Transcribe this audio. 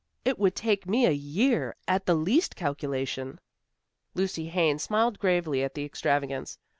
"It would take me a year, at the least calculation." Lucy Haines smiled gravely at the extravagance.